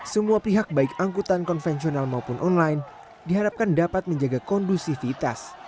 semua pihak baik angkutan konvensional maupun online diharapkan dapat menjaga kondusivitas